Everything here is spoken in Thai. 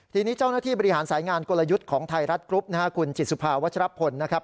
ทีนี้เจ้าหน้าที่บริหารสายงานกลยุทธ์ของไทยรัฐกรุ๊ปนะฮะคุณจิตสุภาวัชรพลนะครับ